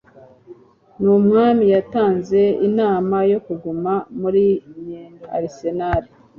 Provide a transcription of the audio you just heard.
Ni umwami yatanze inama yo kuguma muri Arsenal